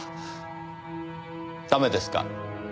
駄目ですか？